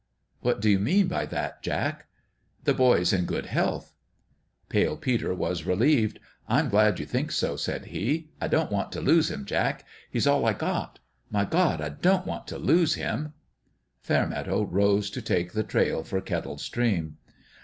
" What do you mean by that, Jack ?"" The boy's in good health." Pale Peter was relieved. " I'm glad you think so," said he. " I don't want to lose him, Jack. PALE PETER'S DONALD 137 He's all I got. My God, I don't want to lose him!" Fairmeadow rose to take the trail for Kettle Stream.